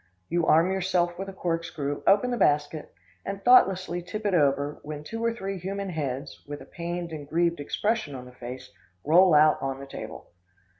You arm yourself with a corkscrew, open the basket, and thoughtlessly tip it over, when two or three human heads, with a pained and grieved expression on the face, roll out on the table.